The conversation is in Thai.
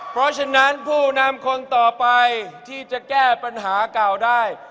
เพราะฉะนั้นผู้นำคนต่อไปที่จะแก้ปัญหาเก่าได้